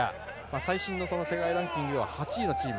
最新の世界ランキングは８位のチーム。